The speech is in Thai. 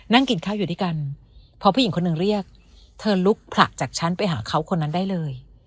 นั่งกินข้าวอยู่ด้วยกันพอผู้หญิงคนหนึ่งเรียกเธอลุกผลักจากชั้นไปหาเขาคนนั้นได้เลย